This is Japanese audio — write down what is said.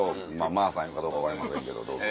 マーさん言うかどうか分かりませんけど。